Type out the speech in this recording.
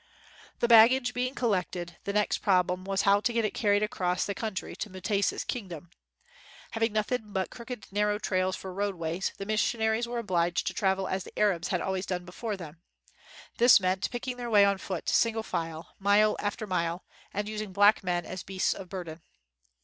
The baggage being collected, the next problem was how to get it carried across the country to Mutesa's kingdom. Having nothing but crooked narrow trails for road ways, the missionaries were obliged to travel as the Arabs had always done before them. This meant picking their way on foot sin gle file, mile after mile, and using black men as beasts of burden.